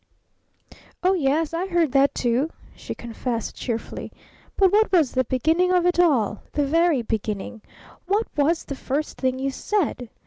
"Oh, yes! I heard that, too!" she confessed cheerfully. "But what was the beginning of it all? The very beginning? What was the first thing you said?